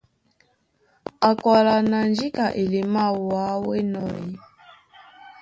Á kwálá ná :Njíka elemáā wǎ ó enɔ́ ē?